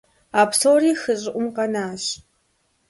А псори хы щӀыӀум къэнащ.